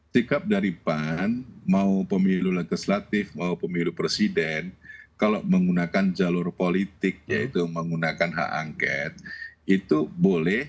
sikap dari pan mau pemilu legislatif mau pemilu presiden kalau menggunakan jalur politik yaitu menggunakan hak angket itu boleh